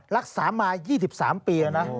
รักษามา๒๓ปี